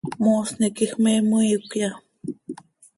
¿Moosni quij me moiicöya?